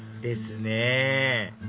ですねぇ